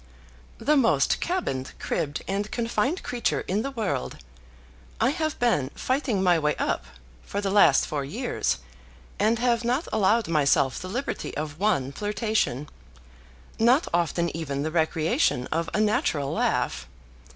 "The most cabined, cribbed, and confined creature in the world! I have been fighting my way up for the last four years, and have not allowed myself the liberty of one flirtation; not often even the recreation of a natural laugh.